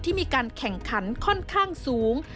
มีการแข่งขันค่อนข้างสูง